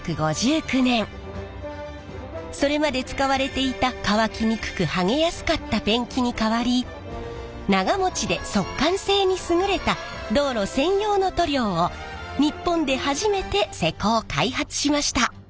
それまで使われていた乾きにくく剥げやすかったペンキに代わり長もちで速乾性に優れた道路専用の塗料を日本で初めて施工開発しました。